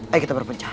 ayo kita berpencar